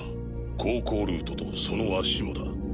航行ルートとその足もだ。